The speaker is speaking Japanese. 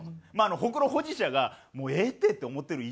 ホクロ保持者がもうええって！って思ってる